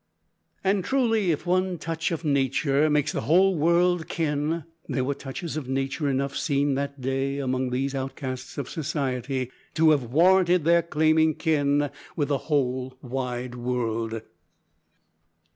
And, truly, if "one touch of nature makes the whole world kin," there were touches of nature enough seen that day among these outcasts of society to have warranted their claiming kin with the whole world.